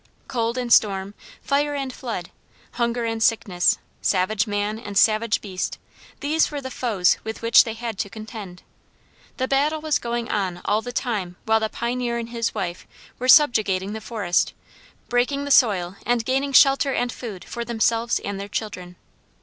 Cold and storm, fire and flood, hunger and sickness, savage man and savage beast, these were the foes with which they had to contend. The battle was going on all the time while the pioneer and his wife were subjugating the forest, breaking the soil, and gaining shelter and food for themselves and their children.